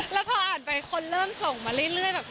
แล้วพออ่านไปคนเริ่มส่งมาเรื่อยแบบ